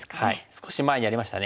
少し前にやりましたね。